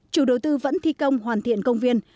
chủ đầu tư vẫn thi công hoàn thiện công viên